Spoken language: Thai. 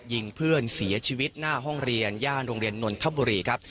ยิงเพื่อนเสียชีวิตหน้าห้องเรียนย่านโรงเรียนนนทบุรีครับ